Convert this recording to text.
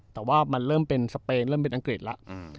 แต่ว่ามันเริ่มเป็นสเปนเริ่มเป็นอังกฤษแล้ว